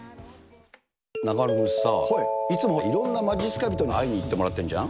中丸君さ、いつもいろんなまじっすか人に会いに行ってもらってるじゃん。